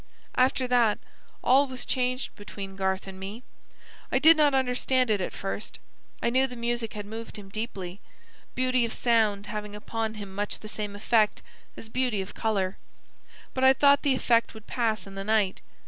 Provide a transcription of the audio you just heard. "After that, all was changed between Garth and me. I did not understand it at first. I knew the music had moved him deeply, beauty of sound having upon him much the same effect as beauty of colour; but I thought the effect would pass in the night.